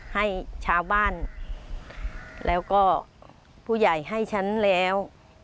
ให้ชาวบ้านแล้วก็ผู้ใหญ่ให้ฉันแล้ว